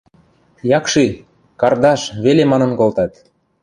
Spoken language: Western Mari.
– Якши, кардаш! – веле манын колтат...